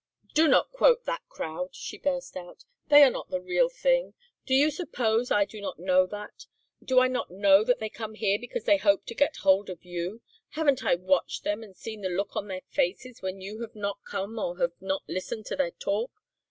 "Do not quote that crowd," she burst out. "They are not the real thing. Do you suppose I do not know that? Do I not know that they come here because they hope to get hold of you? Haven't I watched them and seen the look on their faces when you have not come or have not listened to their talk?